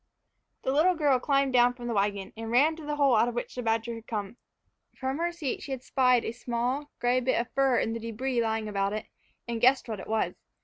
The little girl climbed down from the wagon, and ran to the hole out of which the badger had come. From her seat she had spied a small, gray bit of fur in the debris lying about it, and guessed what it was.